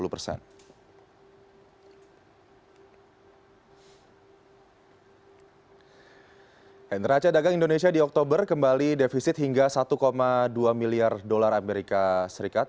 neraca dagang indonesia di oktober kembali defisit hingga satu dua miliar dolar amerika serikat